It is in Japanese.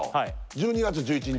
１２月１１日？